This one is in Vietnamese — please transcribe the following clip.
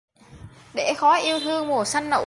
Để khói yêu thương mùa xanh nụ